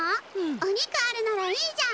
お肉あるならいいじゃん！